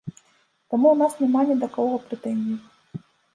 Таму ў нас няма ні да кога прэтэнзій.